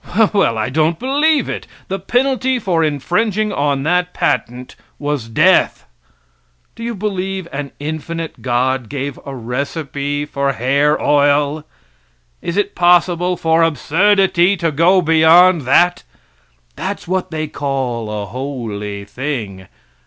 Well, I don't believe it. The penalty for infringing on that patent was death. Do you believe an infinite God gave a recipe for hair oil? Is it possible for absurdity to go beyond that? That's what they call a holy thing.